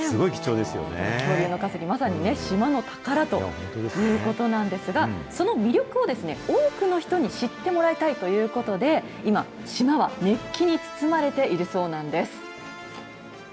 恐竜の化石、まさにね、島の宝ということなんですが、その魅力を多くの人に知ってもらいたいということで、今、島は熱気に包まれているそうなんです。